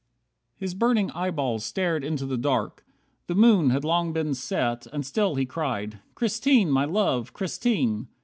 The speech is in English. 61 His burning eyeballs stared into the dark. The moon had long been set. And still he cried: "Christine! My Love! Christine!"